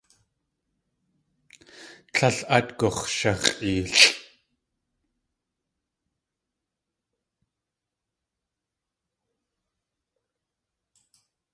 Tlél át gux̲shax̲ʼeelʼ.